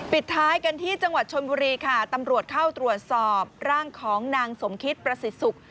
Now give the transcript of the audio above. ปิดท้ายกันที่จังหวัดชนบุรีค่ะตำรวจเข้าตรวจสอบร่างของนางสมคิดประสิทธิ์สุข